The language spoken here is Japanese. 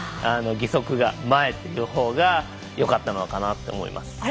義足が前のほうがよかったのかなと思います。